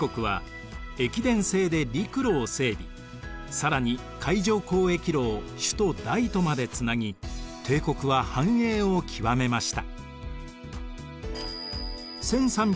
更に海上交易路を首都・大都までつなぎ帝国は繁栄を極めました。